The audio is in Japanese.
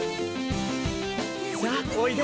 さあおいで。